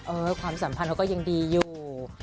ความสัมพันธ์เขาก็ยังดีอยู่